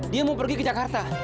dia mau pergi ke jakarta